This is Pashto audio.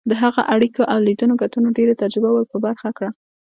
د هغه اړیکو او لیدنو کتنو ډېره تجربه ور په برخه کړه.